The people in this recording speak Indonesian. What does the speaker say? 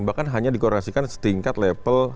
bahkan hanya dikorelasikan setingkat level